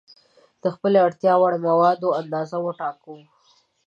د خپلې اړتیا وړ موادو اندازه وټاکو.